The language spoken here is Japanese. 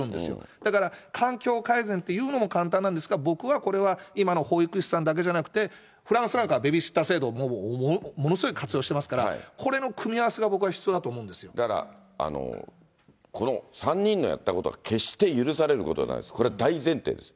だから、環境改善というのも簡単なんですが、僕はこれは、今の保育士さんだけじゃなくて、フランスなんかはベビーシッター制度をものすごい活用してますから、これの組み合わせが僕は必要だと思だから、この３人のやったことは決して許されることじゃないです、これ大前提です。